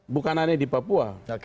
bukan hanya di papua